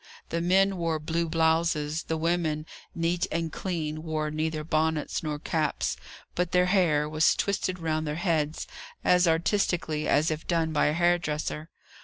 The men wore blue blouses; the women, neat and clean, wore neither bonnets nor caps; but their hair was twisted round their heads, as artistically as if done by a hairdresser.